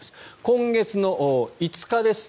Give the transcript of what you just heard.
今月の５日です。